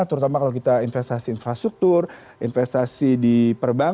terutama kalau kita investasi infrastruktur investasi di perbankan